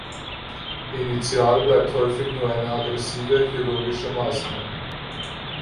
Initial bleibt häufig nur eine aggressive chirurgische Maßnahme.